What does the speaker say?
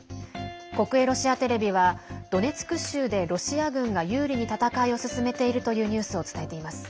国営ロシアテレビはドネツク州で、ロシア軍が有利に戦いを進めているというニュースを伝えています。